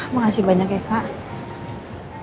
makasih banyak ya kak